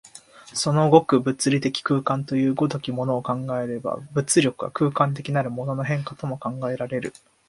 その極、物理的空間という如きものを考えれば、物力は空間的なるものの変化とも考えられる。